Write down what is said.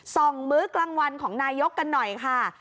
มื้อกลางวันของนายกกันหน่อยค่ะ